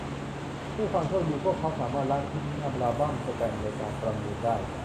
ด้วยความโชคดี พวกเราสามารถละทิ้งอัลบั้มแสตมป์ในการประมูลได้